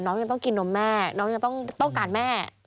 ยังต้องกินนมแม่น้องยังต้องการแม่